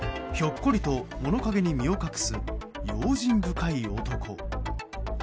ひょっこりと物陰に身を隠す用心深い男。